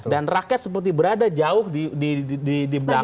rakyat seperti berada jauh di belakang